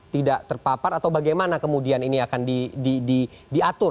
tidak terpapar atau bagaimana kemudian ini akan diatur